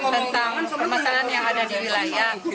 tentang permasalahan yang ada di wilayah